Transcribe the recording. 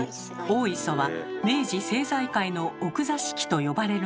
大磯は「明治政界の奥座敷」と呼ばれるまでに。